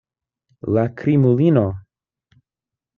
La krimulino!